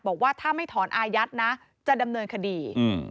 บอกว่าถ้าไม่ถอนอายัดนะจะดำเนินคดี